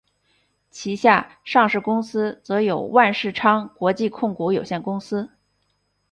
旗下上市公司则有万事昌国际控股有限公司。